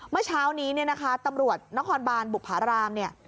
เมื่อเช้านี้เนี่ยนะคะตำรวจนครบานบุภารามเนี่ย